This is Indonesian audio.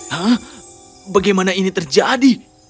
hah bagaimana ini terjadi